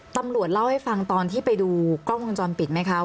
ตำรวจเล่าให้ฟังตอนที่ไปดูกล้องวงจรปิดไหมคะ